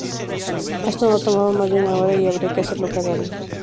Esto no tomaba más de una hora y habría que hacerlo cada día.